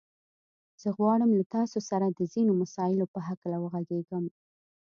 زه غواړم له تاسو سره د ځينو مسايلو په هکله وغږېږم.